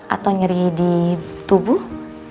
atau nyeri di tubuh